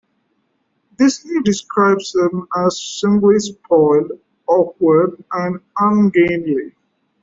Disney describes them as simply spoiled, awkward, and ungainly.